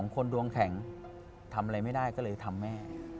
คนดวงแข็งทำอะไรไม่ได้ก็เลยทำแม่